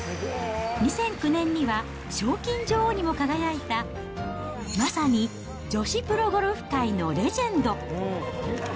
２００９年には賞金女王にも輝いた、まさに女子プロゴルフ界のレジェンド。